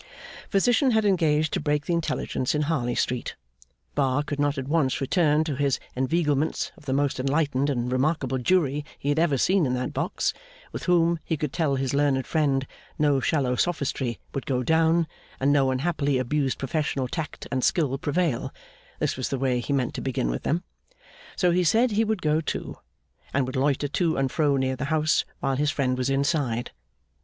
Physician had engaged to break the intelligence in Harley Street. Bar could not at once return to his inveiglements of the most enlightened and remarkable jury he had ever seen in that box, with whom, he could tell his learned friend, no shallow sophistry would go down, and no unhappily abused professional tact and skill prevail (this was the way he meant to begin with them); so he said he would go too, and would loiter to and fro near the house while his friend was inside.